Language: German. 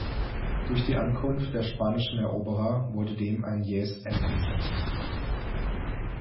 Durch die Ankunft der spanischen Eroberer wurde dem ein jähes Ende gesetzt.